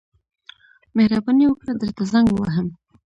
مهرباني وکړه درته زنګ ووهم.